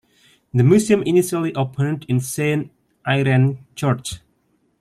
The museum initially opened in Saint Irene Church.